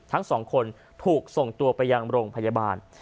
ทั้งสองคนถูกส่งตัวไปยังโรงพยาบาล